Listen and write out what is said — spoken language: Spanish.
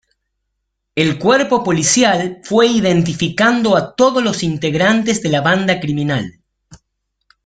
El cuerpo policial fue identificando a todos los integrantes de la banda criminal.